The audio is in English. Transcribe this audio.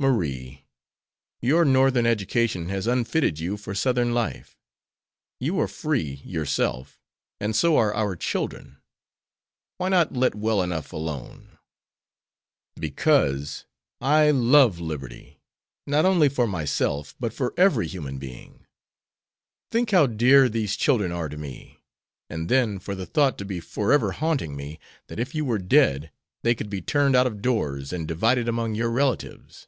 "Marie, your Northern education has unfitted you for Southern life. You are free, yourself, and so are our children. Why not let well enough alone?" "Because I love liberty, not only for myself but for every human being. Think how dear these children are to me; and then for the thought to be forever haunting me, that if you were dead they could be turned out of doors and divided among your relatives.